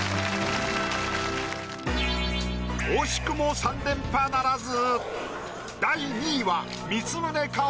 惜しくも３連覇ならず。